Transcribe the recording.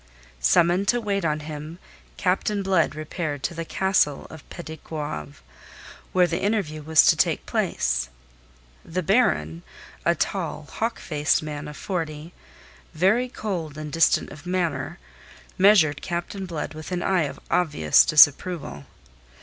Summoned to wait on him, Captain Blood repaired to the Castle of Petit Goave, where the interview was to take place. The Baron, a tall, hawk faced man of forty, very cold and distant of manner, measured Captain Blood with an eye of obvious disapproval.